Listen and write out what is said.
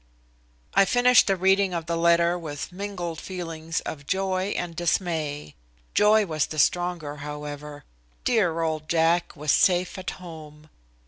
I finished the reading of the letter with mingled feelings of joy and dismay. Joy was the stronger, however. Dear old Jack was safe at home.